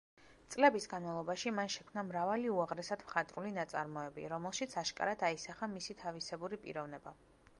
წლების განმავლობაში მან შექმნა მრავალი უაღრესად მხატვრული ნაწარმოები, რომელშიც აშკარად აისახა მისი თავისებური პიროვნება.